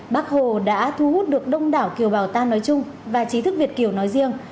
bác hồ đã thu hút được đông đảo kiều bào ta nói chung và trí thức việt kiều nói riêng